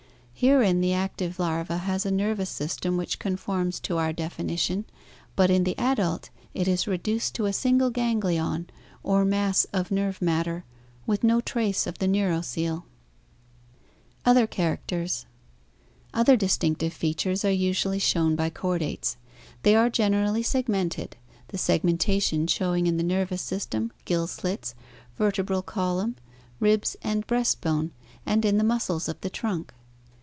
Herein the active larva has a nervous system which conforms to our definition, but in the adult it is reduced to a single ganglion, or mass of nerve matter, with no trace of the neuroccele. Other Characters. — Other distinctive features are usually shown by chordates. They are generally segmented, the segmentation showing in the nervous system, gill slits, vertebral column, ribs and breast bone, and in the muscles of the trunk.